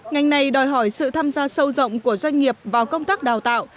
ngành này đòi hỏi sự tham gia sâu rộng của doanh nghiệp vào công tác đào tạo